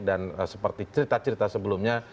dan seperti cerita cerita sebelumnya